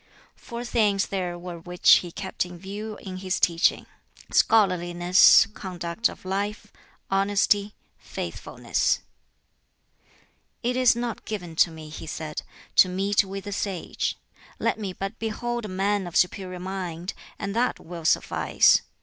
Four things there were which he kept in view in his teaching scholarliness, conduct of life, honesty, faithfulness. "It is not given to me," he said, "to meet with a sage; let me but behold a man of superior mind, and that will suffice.